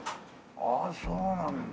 ああそうなんだ。